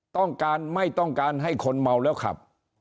ต้องการไม่ต้องการให้คนเมาแล้วขับ